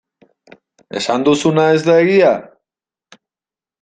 Esan duzuna ez da egia?